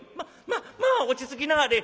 「ままあ落ち着きなはれ」。